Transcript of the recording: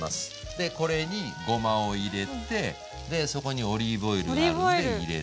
でこれにごまを入れてでそこにオリーブオイル入れて。